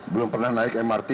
belum pernah naik mrt